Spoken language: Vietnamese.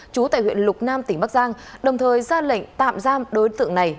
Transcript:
chú tại huyện lục nam tỉnh bắc giang đồng thời ra lệnh tạm giam đối tượng này